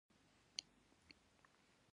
یو سوداګر چې کلوم نومیده سید له مرګ څخه وژغوره.